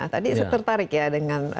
tadi saya tertarik ya dengan